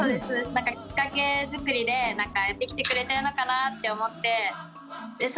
何かきっかけ作りでやってきてくれてるのかなって思ってそ